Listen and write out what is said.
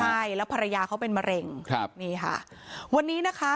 ใช่แล้วภรรยาเขาเป็นมะเร็งครับนี่ค่ะวันนี้นะคะ